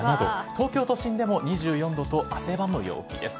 東京都心でも２４度と汗ばむ陽気です。